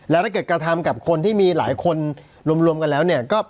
แล้วถ้าเกิดกระทำกับคนที่มีหลายคนรวมกันแล้วเนี่ย